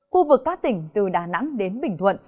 khu vực các tỉnh từ đà nẵng đến bình thuận